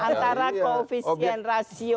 antara koefisien rasio kemiskinan dan lahan